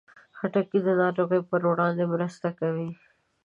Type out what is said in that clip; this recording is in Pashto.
خټکی د ناروغیو پر وړاندې مرسته کوي.